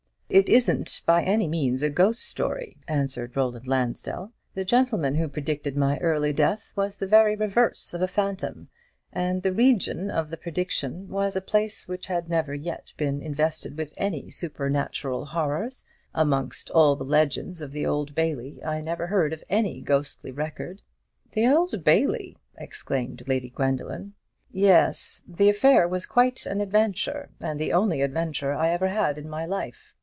"But it isn't by any means a ghost story," answered Roland Lansdell. "The gentleman who predicted my early death was the very reverse of a phantom; and the region of the prediction was a place which has never yet been invested with any supernatural horrors. Amongst all the legends of the Old Bailey, I never heard of any ghostly record." "The Old Bailey!" exclaimed Lady Gwendoline. "Yes. The affair was quite an adventure, and the only adventure I ever had in my life."